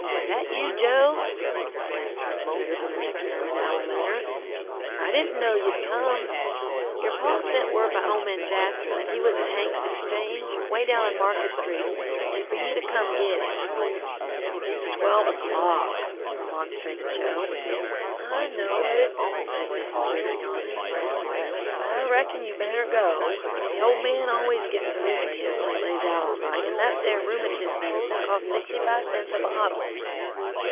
"That you, Joe?" asked Mrs. Ridder from the next room an hour later. "I didn't know you'd come. Yer paw sent word by old man Jackson that he was at Hank's Exchange way down on Market Street, and fer you to come git him." "It's twelve o'clock," remonstrated Joe. "I know it," said Mrs. Ridder, yawning, "but I reckon you better go. The old man always gits the rheumatiz when he lays out all night, and that there rheumatiz medicine cost sixty five cents a bottle!"